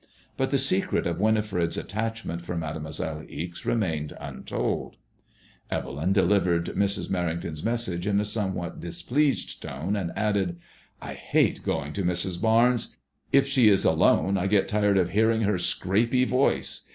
But the secret of Winifred's attach ment for Mademoiselle Ixe re mained untold. Evelyn delivered Mrs. Mer rington's message in a somewhat displeased tone, and added —" I hate going to Mrs. Barnes'. If she is alone I get tired of MADEMOISSLLB IXS. 47 hearing her scrapy voice.